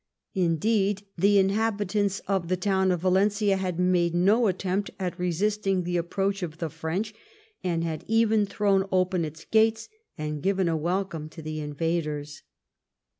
Indeed, tha inhabitants of the town of Valencia had made no attempt at resisting the approach of the French, and had even thrown open its gates and given a welcome to the invaders.